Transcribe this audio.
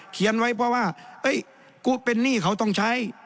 เขียนไว้เพราะว่ากูเป็นหนี้เขาต้องใช้